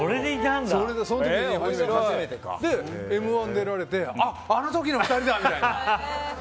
で、「Ｍ‐１」出られてあ、あの時の２人だ！みたいな。